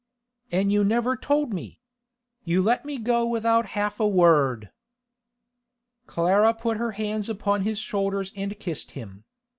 'An' you never told me! You let me go without half a word!' Clara put her hands upon his shoulders and kissed him.